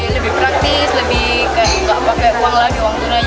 lebih praktis lebih enak untuk membeli sekolah